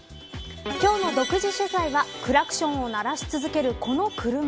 今日の独自取材はクラクションを鳴らし続けるこの車。